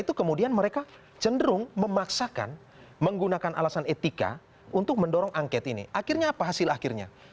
itu kemudian mereka cenderung memaksakan menggunakan alasan etika untuk mendorong angket ini akhirnya apa hasil akhirnya